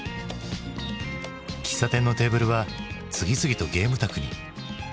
喫茶店のテーブルは次々とゲーム卓に。